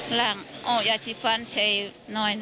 หลังโอย่าชี้ฟ้านเช่น